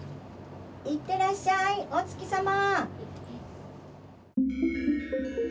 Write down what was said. いってらっしゃい、お月さま」。